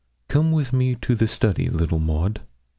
'Come with me to the study, little Maud.'